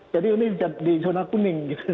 jadi ini di zona kuning